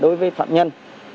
đối với phạm nhân